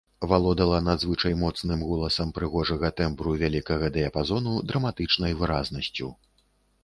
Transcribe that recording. Валодала надзвычай моцным голасам прыгожага тэмбру вялікага дыяпазону, драматычнай выразнасцю.